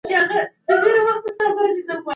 حکومت اوس د خپلو دندو په ترسره کولو بوخت دی.